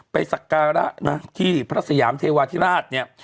สักการะนะที่พระสยามเทวาธิราชเนี่ย